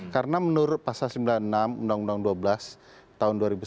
karena menurut pasal sembilan puluh enam undang undang dua belas tahun dua ribu sebelas